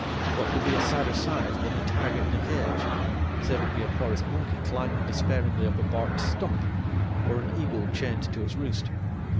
What could be a sadder sight than a tiger in a cage, save it be a forest monkey climbing dispairingly up a barked stump, or an eagle chained to its roost?